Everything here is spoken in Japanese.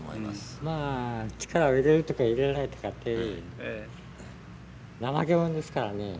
まあ力を入れるとか入れないとかって怠けもんですからね。